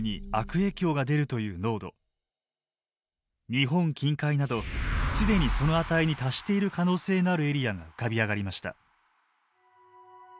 日本近海など既にその値に達している可能性のあるエリアが浮かび上がりました。